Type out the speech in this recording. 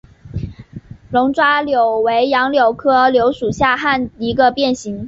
龙爪柳为杨柳科柳属旱柳下的一个变型。